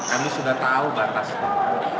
kami sudah tahu batasnya